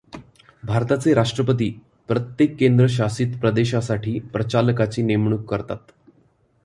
भारताचे राष्ट्रपती प्रत्येक केंद्रशासित प्रदेशासाठी प्रचालकाची नेमणूक करतात.